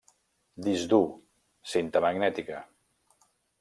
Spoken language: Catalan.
Disc dur, cinta magnètica.